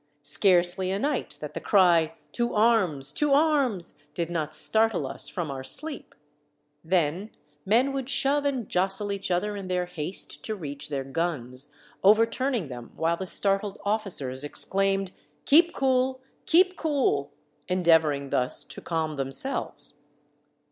Scarcely a night that the cry " To arms ! to arms !" did not startle us from our sleep. Then men would shove and jostle each other in their haste to reach their guns, over turning them, while the startled officers exclaimed, " Keep cool ! keep cool !" endeavoring thus to calm themselves.